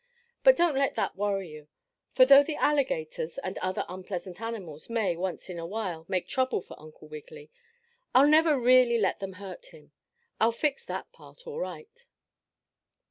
But don't let that worry you, for though the alligators, and other unpleasant animals, may, once in a while, make trouble for Uncle Wiggily, I'll never really let them hurt him. I'll fix that part all right!